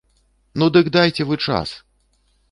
Ну дык дайце вы час!